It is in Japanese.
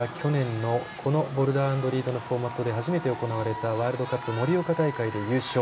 森は去年のこのボルダー＆リードのフォーマットで初めて行われたワールドカップ盛岡大会で優勝。